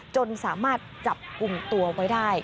จนสามารถจับกลุ่มตัวไว้ได้